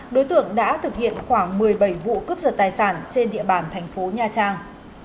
đối tượng đã thực hiện khoảng một mươi bảy vụ cướp giật tài sản trên địa bàn thành phố nha trang